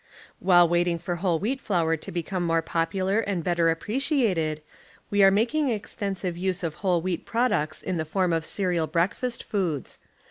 While waiting for whole wheat flour to become more popular and better appre ciated, we are making extensive use of whole wheat products in the form of cereal breakfast foods.